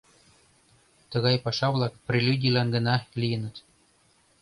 Тыгай паша-влак прелюдийлан гына лийыныт.